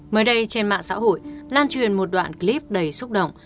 mới đây trên mạng xã hội lan truyền một đoạn clip đầy xúc động